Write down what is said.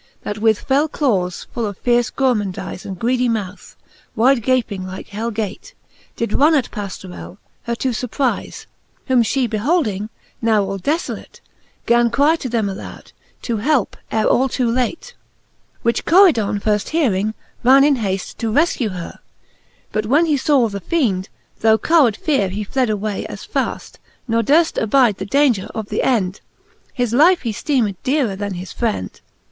That with fell clawcs, full of fierce gourmandize. And greedy mouth, wide gaping like hell gate, Did runne at Paflorell, her to furprize : Whom fhe beholding, now all defolate Gan cry to them aloud, to helpe her ail too late. XXXV. which Coridon firft hearing, ran in haft To refkue her ; but when he faw the feend. Through cowherd feare he fled away as faft, Ne durft abide the daunger of the end ; His life he ftecmed dearer then his frend.